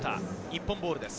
日本ボールです。